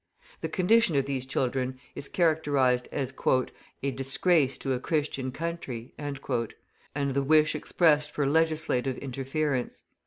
The condition of these children is characterised as "a disgrace to a Christian country," and the wish expressed for legislative interference.